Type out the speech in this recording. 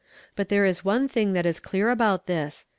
But there is one thing that is clear about this.